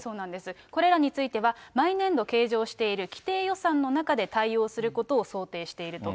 これらについては、毎年度計上している既定予算の中で対応することを想定していると。